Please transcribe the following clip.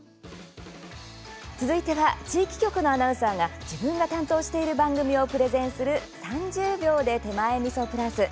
続いては地域局のアナウンサーが自分が担当している番組をプレゼンする「３０秒で手前みそプラス」。